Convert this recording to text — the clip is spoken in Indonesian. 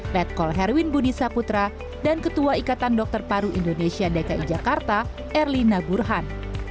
red call herwin budi saputra dan ketua ikatan dokter paru indonesia dki jakarta erli nagurhan